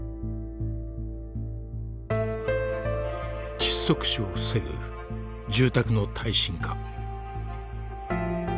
窒息死を防ぐ住宅の耐震化。